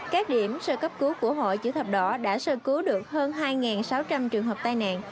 các điểm sơ cấp cứu của hội chữ thập đỏ đã sơ cứu được hơn hai sáu trăm linh trường hợp tai nạn